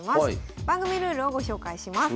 番組ルールをご紹介します。